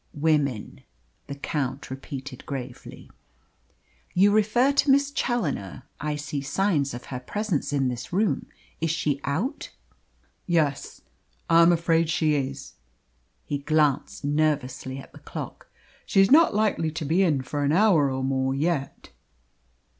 "Women!" the Count repeated gravely. "You refer to Miss Challoner I see signs of her presence in this room. Is she out?" "Yes I am afraid she is." He glanced nervously at the clock. "She is not likely to be in for an hour and more yet."